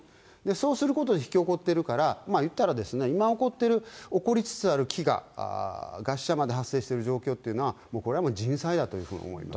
そうすることで引き起こってるから、言ったら、今起こってる、起こりつつある飢餓、餓死者まで発生している状況というのは、もうこれは人災だというふうに思います。